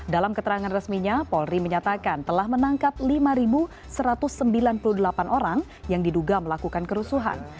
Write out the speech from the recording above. dalam keterangan resminya polri menyatakan telah menangkap lima satu ratus sembilan puluh delapan orang yang diduga melakukan kerusuhan